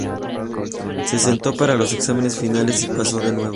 Se sentó para los exámenes finales y pasó de nuevo.